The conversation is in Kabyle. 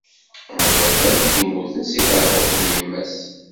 Am llufan i d-immuten si tɛebbuḍt n yemma-s.